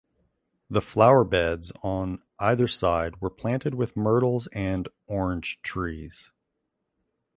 The flowerbeds on either side were planted with myrtles and orange trees.